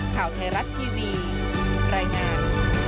ข่าวไทยรัฐทีวีรายงาน